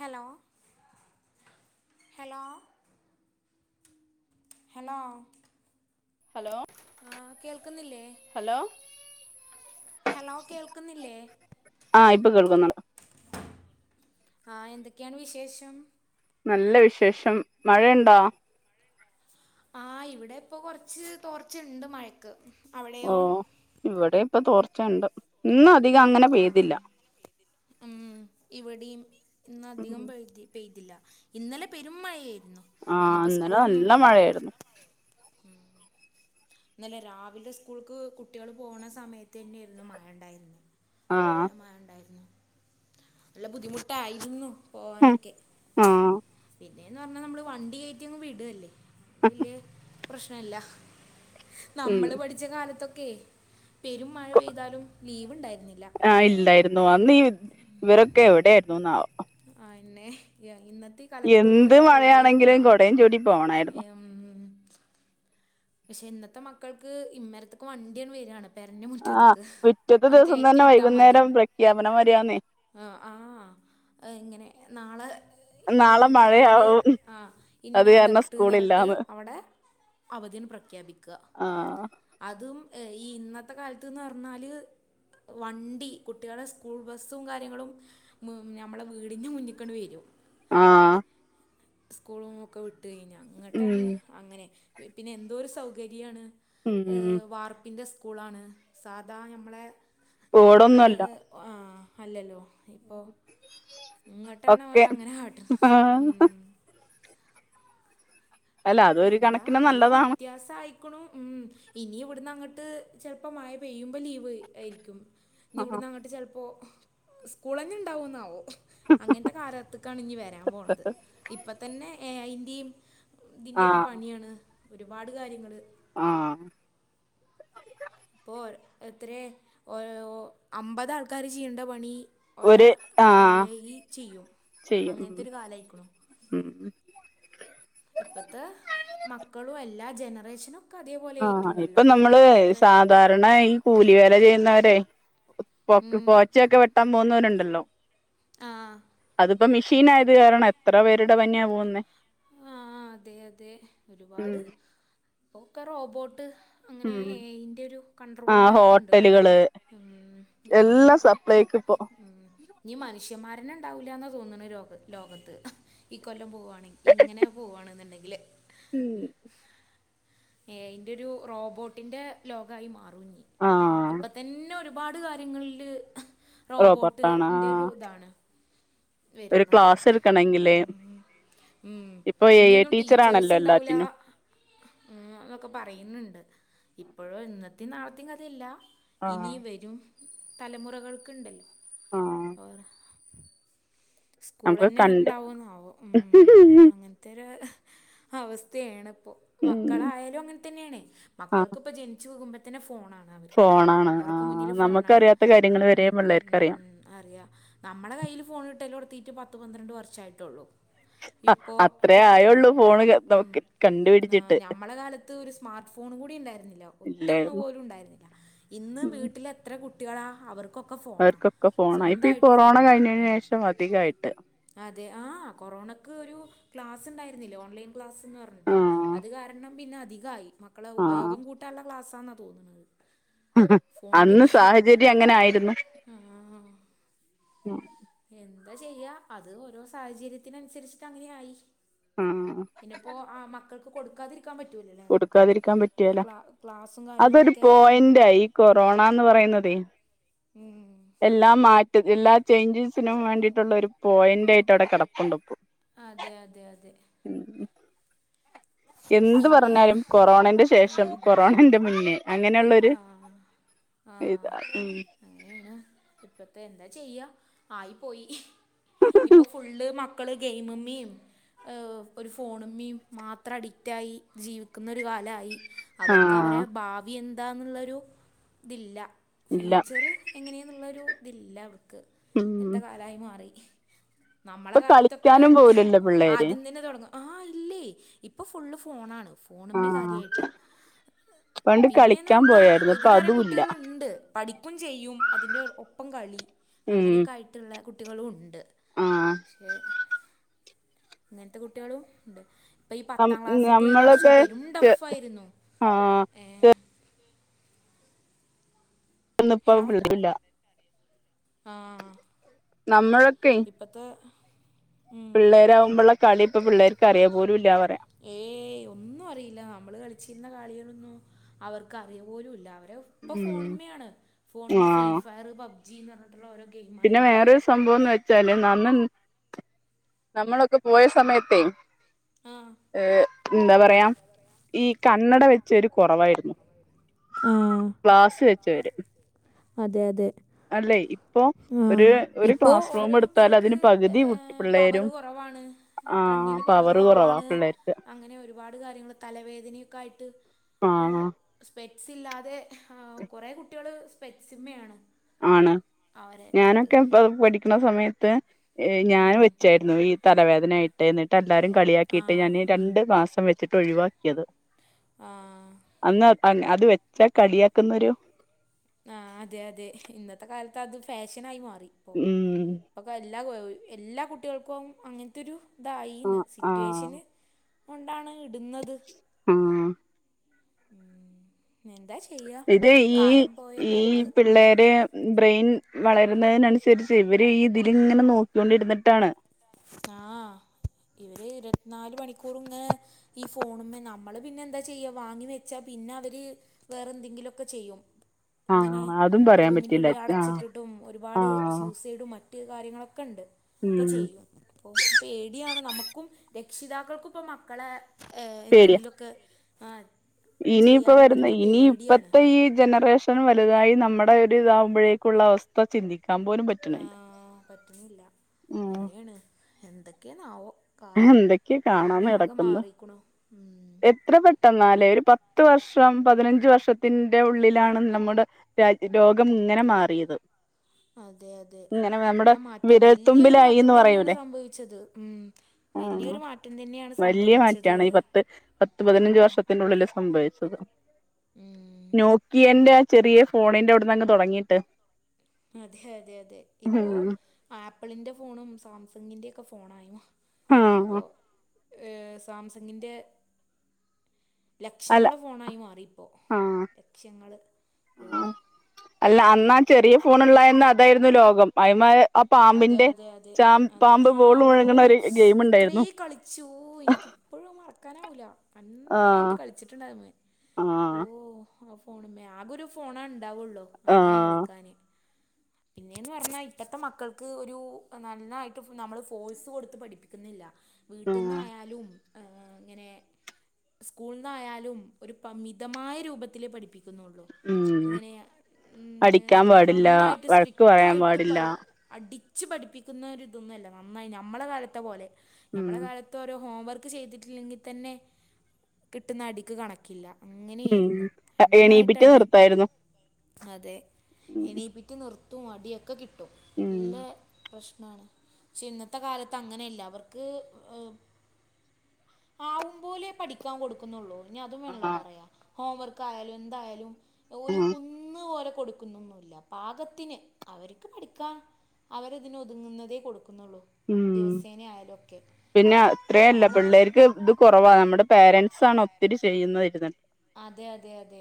Hello hello hello hello ആഹ് കേൾക്കുന്നില്ലേ? Hello hello കേൾക്കുന്നില്ലേ? ആഹ് ഇപ്പോ കേൾക്കുന്നു ആഹ് എന്തൊക്കെയാണ് വിശേഷം? നല്ല വിശേഷം മഴണ്ടോ? ആഹ് ഇവടെ പ്പോ കൊർച്ച് തോർച്ച്ണ്ട് മഴക്ക്. അവടെയോ? ഇവടെ പ്പൊ തോർച്ചണ്ട്. ഇന്നധികങ്ങനെ ആഹ് ആഹ് ഉം ഇവടിം ഇന്നധികം പെയ്തി പെയ്തില്ല ഇന്നലെ പെരു മഴയായിരുന്നു ആഹ് ഇന്ന്പ്പോ ഇന്നലെ നല്ല സ്കൂളൊന്നുല്ലല്ലോ. മഴയായിരുന്നു ഇന്നലെ രാവിലെ സ്കൂക്ക് കുട്ട്യെള് പോണ സമയത്തെന്നെരന്നു മഴണ്ടായിര്ന്നെ ആഹ് നല്ല മഴ ണ്ടായിരുന്നു. നല്ല ബുദ്ധിമുട്ടായിരുന്നു. പോവാനൊക്കെ ആഹ് പിന്നേന്ന് പർഞ്ഞാ നമ്മള് വണ്ടി കേറ്റ്യങ്ങ് വിടല്ലേ അതൊണ്ട് വെല്ല്യെ പ്രശ്നല്ല. ഉം നമ്മള് പഠിച്ച കാലത്തൊക്കെ പെരും മഴ പെയ്താലും ലീവ്ണ്ടായിരുന്നില്ല. ആഹ് ഇല്ലായിരുന്നു അന്ന് ഈ ഇവരൊക്കെ എവടെയ്രുന്നുന്നാവോ. അയെന്നെ എന്നത്തി യെന്ത് മഴയാണെങ്കിലും കൊടയും ചൂടി പോണായിര്ന്നു. ഉം ഉം പക്ഷെ ഇന്നത്തെ മക്കൾക്ക് ഇമ്മര്ത്ത്ക്ക് വണ്ട്യണ് വെരാണ്. പെരൻ്റെ ആഹ് മുറ്റത്ത്ക്ക് പിറ്റത്തെ ആണ് ദിവസം കെയറ്റി തന്നെ വിട്ടാ മതി. വൈകുന്നേരം പ്രഖ്യാപനം വരികാന്നേ അഹ് ആഹ് അത്ങ്ങനെ നാളെ ഇന്ന നാളെ ജില്ലയില് മഴയാവും ആഹ് ഇന്ന അത് കാരണം അലർട്ട്ന്നർഞ്ഞ്ട്ട് സ്കൂളില്ലാന്ന് അവടെ അവധിയന് പ്രഖ്യാപിക്ക. ആഹ് അതും എഹ് ഈ ഇന്നത്തെ കാലത്ത്ന്നർഞ്ഞാല് വണ്ടി കുട്ടിളെ സ്കൂൾ ബസ്സും കാര്യങ്ങളും മുൻ ഞമ്മളെ വീട്ന്റെ മുന്ന്ക്കണ്ട് വെരും. ആഹ് സ്ക്കൂളൊക്കെ വിട്ട് കഴിഞ്ഞ ഉം ഇങ്ങട്ടാണ് അങ്ങനെ പിന്നെ എന്തോരു സൗകര്യാണ്. ഉം ഏഹ് വാർപ്പിൻ്റെ സ്കൂളാണ് സാധാ ഞമ്മളെ ഓടൊന്നല്ല ആ അല്ലല്ലോ ഇങ്ങട്ടാണ് ഒക്കെ ഓലങ്ങനെ കാട്ടണത് മ് ആഹ് അല്ല അതൊരു എന്താ കണക്കിന് നല്ല നല്ലതാണ് വിത്യാസായി കണ് മ് ഇനി ഇവിടുന്ന് അങ്ങട്ട് ചെിലപ്പോ മഴ പെയ്യുമ്പോ ലീവ് ആരിക്കും ഇഞ് ആഹ് ഇവിടുന്ന് അങ്ങട്ട് ചിലപ്പോ സ്കൂൾ തന്നെ ഉണ്ടാവോന്നാവോ അങ്ങനത്തെ കാലത്ത്ക്കാണ് ഇനി വരാൻ പോണത് ഇപ്പം തന്നെ എ ഐ ന്റിം ഇതിൻന്റെയൊക്കെ ആഹ് പണിയാണ് ഒരുപാട് കാര്യങ്ങൾ ആഹ് ഇപ്പോൾ എത്ര ഓ ഓ മ്പതാൾക്കാർ ചെയ്യേണ്ട പണി ഒരാ ഒരു എ ആഹ് ഐ ചെയ്യും ചെയ്യും അങ്ങനത്തെ ഒരു കാലായിക്ക്ണു [unintelligible] ഇപ്പത്തെ മക്കളും എല്ലാ ജനറേഷനും അതേപോലെ ആഹ ആയിട്ടുണ്ടല്ലോ ഇപ്പൊ നമ്മള് ഒക്കെ സ ഉധാരണായി കൂലി വേല ചെയ്യുന്നവരെ പൊക്ക് ഉം. പോ ഉച്ചയെക്ക് വെട്ടാൻ പോകുന്നവരുണ്ടല്ലോ ആ അത് ഇപ്പൊ മെഷീൻ ആയത് കാരണം എത്ര പേരുടെ പനിയാ പോകുന്നേ ആ അതെ അതെ ഉം ഒരുപാട് പൊക്കെ റോബോട്ട് അങ്ങനെ ഉം എ ഐന്റെ ഒരു കൺട്രോളിലായിട്ടുണ്ട് അഹ് എല്ലാ സപ്ലൈക്ക് ഇപ്പോ ഇനി മനുഷ്യന്മാരനെ ഉണ്ടാവൂല്ലാന്ന തോന്നണെ ലോകത്ത് ഈ കൊല്ലം പോവാണെങ്കിൽ ഇങ്ങനെ പോവാണ്ന്ന്ണ്ടെങ്കില് [unintelligible] എഐന്റെ ഒരു റോബോട്ടിന്റെ ലോകായി മാറുഞ്ഞി ആഹ് ഇപ്പതന്നെ ഒരു ഒരുപാട് കാര്യങ്ങളിൽ റോബർട്ടാണ് റോബോട്ട്ൻ്റ ആഹ് ഒരുതാണ് ഒരു വെരുന്നത് ക്ലാസ് എടുക്കണെങ്കില് അഹ് അഹ് ഇപ്പൊ എ ഐ ഇനിയൊന്നും ടീച്ചേഴ്സ് ടീച്ചറാണല്ലോ ഇണ്ടാവല എല്ലാറ്റിനും അഹ് എന്നൊക്കെ പറയുന്നുണ്ട് ഇപ്പഴും ഇന്നത്തും നാളത്തും കഥയല്ല ആഹ് ഇനി വരും തലമുറകൾക്കുണ്ടല്ലോ ആഹ് നമുക്ക് സ്കൂളന്നെ കണ്ട് ഇണ്ടാവോന്നാവോ ഉും അങ്ങനത്തെ ഒരു അവസ്ഥയാണ് ഇപ്പൊ ഉം മക്കളായാലും അങ്ങൻതന്നെയാണേ ആഹ് മക്കൾക്ക് ഇപ്പ ജനിച്ചു പോകുമ്പ [unintelligible] ഫോണാണ് അവർക്ക് ഫോണാണ് അവർക്ക് ആഹ് മുന്നിൽ ഫോണാണ് നമുക്കറിയാത്ത കാര്യങ്ങൾ വരെ പിള്ളേർക്ക് അറിയാം അറിയ നമ്മളെ കയ്യിൽ ഫോണ് കിട്ടലൊടുത്തിട്ട് പത്ത് പന്ത്രണ്ട് വർഷമായിട്ടുള്ളൂ ആഹ് ഇപ്പോ അത്രേ കിട്ടുന്ന ആയുള്ളൂ ഫോണ് ഉം നമുക്ക് ആ കണ്ടുപിടിച്ചിട്ട് ഞമ്മളെ കാല ത്ത് സ്മാർട്ട് ഫോൺ കൂടിണ്ടായിരുന്നില്ല ഒറ്റൊന്നും ഇല്ലായിരുന്നു പോലും ഉണ്ടായിരുന്നില്ല ഇന്ന് ഉം വീട്ടിലെ എത്ര കുട്ടികളാ അവർ അവർക്കൊക്കെ ഫോണായി ഇപ്പൊ ഈ കൊറോണ ഫോണാണ് കഴിഞ്ഞന് ശേഷം അധികായിട്ട് അതെ ആ കൊറോണക്ക് ഒരു ക്ലാസ് ഉണ്ടരുന്നില്ലേ ഓൺലൈൻ ക്ലാസ്ന്ന് പറഞ്ഞിട്ട് ആഹ് അത് കാരണം പിന്നെ അധികായി മക്കളെ ആഹ് ഉപയോഗം കൂട്ടാനുള്ള ക്ലാസ്സാന്നാ തോന്നുന്നത് ഫോണിന്റെ അന്ന് ഉപയോഗം സാഹചര്യം അങ്ങനെ ആയിരുന്നു ഉം ഉം എന്താ ചെയ്യാ അത് ഓരോ സാഹചര്യത്തിന് അനുസരിച്ചിട്ട് അങ്ങനെയായി [unintelligible] ഇപ്പോ മക്കൾക്ക് കൊടുക്കാതിരിക്കാൻ പറ്റൂല്ലല്ലേ നമുക്ക് കൊടുക്കാതിരിക്കാൻ അവരെ ക്ലാസ്സും കാര്യങ്ങളൊക്കെ എന്തായി കൊറോണാന്ന് പറയുന്നത് മ് എല്ലാ മാറ്റ എല്ലാ ചേഞ്ചസിനും വേണ്ടിയിട്ടുള്ള ഒരു പോയിന്റ് ആയിട്ട് അവിടെ കടപ്പുണ്ട് ഇപ്പൊ അതെ അതെ അതെ [unintelligible] എന്ത് പിന്നെ പറഞ്ഞാലും കൊറോണന്റെ ശേഷം കൊറോണന്റെ മുന്നേ അങ്ങനെയുള്ളെരു ആഹ് ആഹ് ഇതാ ഉം അങ്ങനെയാണ് ഇപ്പത്തെ എന്താ ചെയ്യാ ആയിപ്പോയി ഇപ്പൊ ഫുള്ള് മക്കള് ഗെയിമി മിം ഒരു ഫോണിമ്മീം മാത്രം അഡിക്റ്റായി ജീവിക്കുന്ന ഒരു കാലായി അവർക്ക് അവരെ ആഹ് ഭാവി എന്താന്നുള്ളൊരു ഇതില്ല ഇല്ല ഫ്യൂച്ചറ് എങ്ങനെയെന്നുള്ളൊരു ഇതില്ല അവർക്ക് ഉം ഇങ്ങനത്തെ കാലായി മാറി നമ്മളെ ഇപ്പൊ കാലത്തൊക്കെ കളിക്കാനും പോവൂലല്ലോ പിള്ളേര് ആദ്യം തന്നെ തുടങ്ങും ആ ഇല്ലേ ഇപ്പം ഫുള്ള് ഫോണാണ് ഫോണിമ്മെ ആഹ് കാര്യായിട്ട് പണ്ട് പിന്നെ ന്ന് കളിക്കാൻ പറഞ്ഞാ പോയായിരുന്നു ഒരു ഇപ്പൊ തരം അതുല്ല കുട്ടികളുണ്ട് പഠിക്കും ചെയ്യും അതിന്റെ ഒപ്പം കളി ഉം അങ്ങനെയൊക്കെ ആയിട്ടുള്ള കുട്ടികളും ഉണ്ട് ആഹ് പക്ഷേ ഇങ്ങനത്തെ കുട്ടികളും ഉണ്ട് ഇപ്പൊ ഈ നം പത്താം ക്ലാസ്സൊക്കെ ഈ വർഷം നമ്മളൊക്കെ പെരും ടഫായിരുന്നു ആഹ് ഏഹ് ഹലോ [unintelligible] ആ നമ്മളൊക്കെ ഇപ്പത്തെ പിള്ളേരാകുമ്പോള്ള കളിപ്പം പിള്ളേർക്ക് അറിയാ പോലും ഇല്ല പറയാ ഏയ് ഒന്നും അറിയില്ല നമ്മൾ കളിച്ചിരുന്ന കളികളൊന്നും അവർക്ക് അറിയ പോലുല്ല അവരെ ഇപ്പൊ ഉം ഫോണിമ്മെയാണ് ഫോണമ്മെ ഫ്രീ ആഹ് ഫയർ പബ്ജി ന്ന് പറഞ്ഞിട്ടുള്ള ഓരോ ഗെയിമായി പിന്നെ മാറി [unintelligible] വെച്ചാല് നമ്മൾ നമ്മളൊക്കെ പോയ സമയത്തെ ആ ഏഹ് എന്താ പറയാം ഈ കണ്ണട വെച്ചവര് കുറവായിരുന്നു ആ ഗ്ലാസ്സ് വെച്ചവര് അതെ അതെ അല്ലെ ഇപ്പൊ ഒരു ആഹ് ഒരു ഇപ്പോ ക്ലാസ് റൂം ഓരോ എടുത്താൽ കുട്ടികൾക്ക് അതിന് പകുതി ഏഹ് പവർ പിള്ളേരും കുറവാണ് ആ കണ്ണിന്റെ പവർ കുറവാ കുറവാണ് പിള്ളേർക്ക് അങ്ങനെ വരും ഒരുപാട് കാര്യങ്ങൾ തലവേദനയൊക്കെ ആയിട്ട് ആ ഇപ്പോ സ്പെറ്റ്സ് ഇല്ലാതെ കുറെ കുട്ടികള് സ്പെറ്റ്സിമ്മയാണ് ആണ് അവരെ ഇത് ഞാനൊക്കെ ഇപ്പം പഠിക്കണ സമയത്ത് ഏഹ് ഞാൻ വെച്ചായി ഈ തലവേദനായിട്ട് എന്നിട്ട് എല്ലാരും ആ കളിയാക്കിയിട്ട് ഞാൻ രണ്ടു മാസം വെച്ചിട്ട് ഒഴിവാക്കിയത് ആഹ് അന്ന് അത് വെച്ചാ കളിയാക്കുന്നൊരു ആ അതെ അതെ ഇന്നത്തെ കാലത്ത് അത് ഫാഷൻ ആയി മാറി ഇപ്പോ ഉം അപ്പൊ എല്ലാ എല്ലാ കുട്ടികൾക്കും അങ്ങനത്തെരു ഇതായിന്ന് ആ ആ സിറ്റുവേഷന് കൊണ്ടാണ് ഇടുന്നത് ആഹ്‌ ഉം എന്താ ചെയ്യ ഇത് ഈ കാലം പോയ ഈ [unintelligible] പോക്ക് പിള്ളേരെ ബ്രെയിൻ വളരുന്നതിനനുസരിച്ച് ഇവര് ഈ ഇതില്ങ്ങനെ നോക്കിയോണ്ടിരുന്നിട്ടാണ് ആഹ് ഇവര് ഇരുവത്തിനാല് മണിക്കൂറും ഇങ്ങനെ ഈ ഫോണുമ്മെ നമ്മള് പിന്നെ എന്താ ചെയ്യാ വാങ്ങി വെച്ചാ പിന്നെ അവര് വേറെന്തെങ്കിലും ഒക്കെ ചെയ്യും ഇങ്ങനെ ആഹ് അതും പറയാൻ റൂമിന്റെ പറ്റില്ല ഉള്ളില് ആഹ് അടച്ചിട്ടിട്ടും ഒരുപാട് ആഹ് സ്യൂസൈഡും മറ്റും [unintelligible] കാര്യങ്ങളൊക്കെ ണ്ട് ഒക്കെ ഉം ചെയ്യും അപ്പൊ പേടിയാണ് നമക്കും രക്ഷിതാക്കൾക്കും ഇപ്പൊ മക്കളെ ഏഹ് പേടിയാ എന്തെങ്കിലൊക്കെ ആഹ് ഇനിയിപ്പ ചെയ്യാനും വരുന്ന ഇതിനൊക്കെ പേടിയാണ് ഇനിയിപ്പത്തെ ഈ ജനറേഷൻ [unintelligible] വലുതായി നമ്മടെ ഒരു ഇതാവുമ്പഴേക്കുള്ള അവസ്ഥ ചിന്തിക്കാൻ പോലും പറ്റൂ ആഹ് പറ്റുന്നില്ല ഉം [unintelligible] എന്തൊക്കെയെണാവോ കാലം എന്തൊക്കെയാ കാലം കാണാന്ന് ആകെ കിടക്കുന്ന് മാറീക്ക്ണു ഉം ന്നാലെ ഒരു പത്ത് വർഷം പതിനഞ്ച് വർഷത്തിന്റെ ഉള്ളിലാണ് നമ്മുടെ രാജ്യം ലോകം ഇങ്ങനെ മാറിയത് അതെ അതെ ഇങ്ങനെ നമ്മുടെ നല്ല മാറ്റം വല്യൊരു മാറ്റം വിരൽത്തുമ്പിലായിന്ന് പറയൂലേ തന്നെയാണ് സംഭവിച്ചത് ഉം. ആഹ് വല്യൊരു മാറ്റം തന്നെയാണ് വലിയ സംഭവിച്ചത് ഉം. ഇതിനുള്ളില് സംഭവിച്ചത്. ഉം. നോക്കിയന്റെ ആ ചെറിയ ഫോണിന്റെ അവിടന്നങ്ങ് തൊടങ്ങീട്ട്. അതെ അതെ അതെ ഇപ്പൊ ഉം ആപ്പിളിന്റെ ഫോണും, സാംസങ്ങിന്റെ ഒക്കെ ഫോണായി ഇപ്പൊ ആഹ് ഏഹ് സാംസങ്ങിന്റെ അല്ല ലക്ഷങ്ങളെ ഫോണായി മാറിപ്പോ ആഹ് ലക്ഷങ്ങള് ഓഹ്. അല്ലാ അന്നാ ചെറിയ ഫോൺ ഉള്ളായന്ന് അതായിരുന്നു ലോകം. അയ്മെ ആ അതെ പാമ്പിന്റെ അതെ അതെ ചാമ്പ് അതെ പാമ്പ് ആ ബോൾ വിഴ്‌ങ്ങ്ണ ഒരു ഗെയിം ഇണ്ടായിരുന്നു. ശ്ശോ എനിക്കിപ്പഴും മറക്കാനാവൂല. ആഹ് നന്നായിട്ട് കളിച്ചിട്ടുണ്ടായി അയിമ്മെ ആഹ് ഓഹ്. ആഹ് ഫോണുമ്മെ ആകൊരു ഫോണേണ്ടാവുള്ളൂ അങ്ങനെ ആഹ് കളിക്കാന്. പിന്നെന്ന് പറഞ്ഞാ ഇപ്പത്തെ മക്കൾക്ക് ഒരു നന്നായിട്ട് നമ്മള് ഫോഴ്സ് കൊടുത്ത് പഠിപ്പിക്കുന്നില്ല. ആഹ് വീട്ട്ന്നായാലും. ഏഹ് ഇങ്ങനെ സ്കൂൾന്നായാലും ഒരു മിതമായ രൂപത്തിലെ പഠിപ്പി ക്കുന്നുള്ളൂ ഉം ഇങ്ങനെ ഉം അടിക്കാൻ എന്താ പാടില്ല നന്നായിട്ട് വഴക്ക് പറയാൻ സ്ട്രിക്റ്റായിട്ട് പാടില്ല അടിച്ച് പഠിപ്പിക്കുന്നരിതൊന്നും അല്ല നന്നായി ഞമ്മളെ കാലത്തെ പോലെ. ഉം ഞമ്മള കാല ത്ത് ഒരു ഹോം വർക്ക് ചെയ്തിട്ടില്ലെങ്കിത്തന്നെ കിട്ടുന്ന അടിക്ക് കണക്കില്ല. ഉം അങ്ങനെയിരുന്നു നന്നായിട്ട് എണീപ്പിച്ച് അടി കിട്ടും നിർത്തായിരുന്നു അതെ ഉം എണീപ്പി റ്റ് നിർത്തും അടിയൊക്കെ കിട്ടും ഉം നല്ല പ്രശ്നാണ്. പക്ഷെ ഇന്നത്തെ കാലത്ത് അങ്ങനെയല്ല അവർക്ക് ഏഹ്. ആവും പോലെ പഠിക്കാൻ കൊടുക്കുന്നുള്ളൂ. ഇനി അതും വേണല്ലോ ആഹ് പറയാ ഹോംവർക്കായാലും എന്തായാലും ഒരു ആഹ് കുന്ന് പോലെ കൊടു കൊടുക്കുന്നൊന്നുയില്ല പാകത്തിന് അവർക്ക് പഠിക്കാൻ അവരതിന് ഒതുങ്ങുന്നതേ കൊടുക്കുന്നുള്ളൂ. ഉം ദിവസേന ആയാലും ഒക്കെ പിന്നെ അത്രേയല്ല നമ്മളെ പിള്ളേർക്ക് ഇത് കൊറവാ നമ്മടെ പാരന്റ്സ് ആണ് ഒത്തിരി ചെയ്യുന്നതിരുന്നിട്ട്. അതെ അതെ അതെ.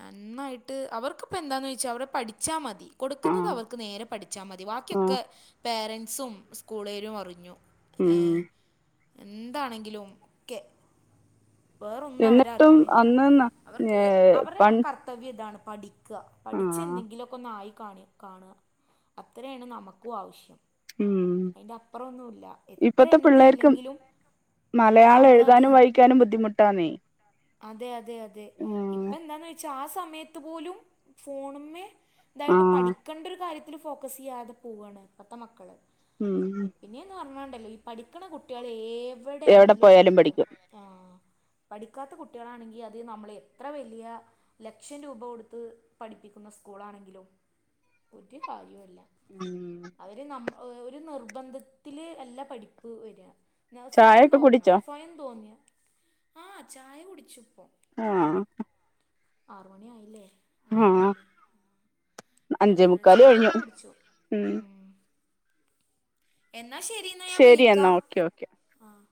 നന്നായിട്ട് അവർക്ക് ഇപ്പൊ എന്താന്ന് വെച്ച അവര് പഠിച്ചാ മതി. കൊടുക്കുന്നത് ആഹ് അവർക്ക് നേരെ പഠിച്ചാ മതി ആഹ് ബാക്കിയൊക്കെ പാരന്റ്സും, സ്കൂളേരും അറിഞ്ഞു. ഉം ഏഹ് എന്താണെങ്കിലും ഒക്കെ. വേറൊന്നും എന്നിട്ടും അവരറിയുന്നില്ല അവർക്ക്. അവരുടെ വൺ. കർത്തവ്യം ഇതാണ് പഠിക്ക്യാ പഠിച്ച് എന്തെങ്കിലുമൊക്കെ ഒന്നായി കാണ്യാ. കാണുക അത്രയാണ് നമുക്കും ആവശ്യം. ഉം. അതിന്റെ അപ്പുറൊന്നുയില്ല എത്ര ഇപ്പത്തെ എന്ത് പിള്ളേർക്ക് ഇല്ലെങ്കിലും. മലയാളം എഴുതാനും, വായിക്കാനും ബുദ്ധിമുട്ടാന്നേ. അതെ അതെ അതെ ഇപ്പ ഉം എന്താന്ന് ചോയ്ച്ചാ ആ സമയത്ത് പോലും ഫോണ് മ്മെ. ഇതായിട്ട് ആഹ് പഠിക്കേണ്ട ഒരു കാര്യത്തില് ഫോക്കസ് ചെയ്യാതെ പോവ്യാണ് ഇപ്പൊത്തെ മക്കള്. ഉം. പിന്നെന്ന് പറഞ്ഞാ ഉണ്ടല്ലോ ഈ പഠിക്കണ കുട്ടികള് എവിടെ എവിടെയാണെങ്കിലും പോയാലും പഠിക്കും എവിടെ പോയാലും പഠിക്കും ആഹ്. പഠിക്കാത്ത കുട്ടികളാണെങ്കിൽ അത് നമ്മൾ എത്ര വലിയ. ലക്ഷം രൂപ കൊടുത്ത് പഠിപ്പിക്കുന്ന സ്കൂളാണെങ്കിലും ഒരു കാര്യം ഇല്ല. ഉം. ഒരു നമ്മ ഒരു നിർബന്ധത്തില് അല്ല പഠിപ്പ് വര്യാ. സ്വയം തോന്നണം, ചായ കുടിച്ചോ, സ്വയം തോന്നിയ ആഹ് ചായ കുടിച്ചു. ആഹ്. ആറുമണി ആയില്ലേ. ആഹ്. അഞ്ചേ ഏഹ് മുക്കാല് ചായൊക്കെ കഴിഞ്ഞു കുടിച്ചു ഉം എന്നാ ശരീ ന്നാ ഞാൻ ശരി വിളിക്കാ എന്നാ ഓക്കെ ഓക്കെ ആഹ്